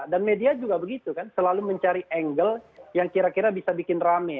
dan media juga begitu kan selalu mencari angle yang kira kira bisa bikin rame